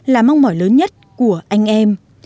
là mong mỏi lớn nhất của anh em